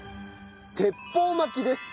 鉄砲巻きです。